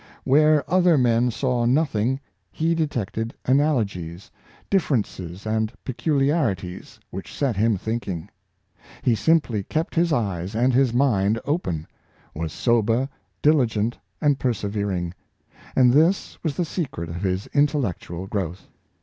Where other men saw nothing, he detected analogies, differ ences and peculiarities, which set him thinking. He simply kept his eyes and his mind open; was sober, dil igent and persevering; and this was the secret of his intellectual growth.